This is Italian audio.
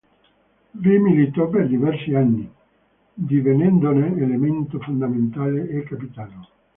Vi militò per diversi anni, divenendone elemento fondamentale e capitano.